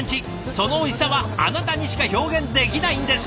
そのおいしさはあなたにしか表現できないんです。